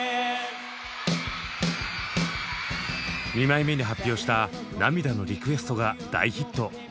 ２枚目に発表した「涙のリクエスト」が大ヒット。